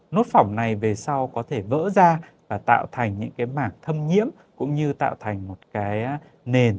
nốt phỏng này về sau có thể vỡ ra và tạo thành những cái mảng thâm nhiễm cũng như tạo thành một cái nền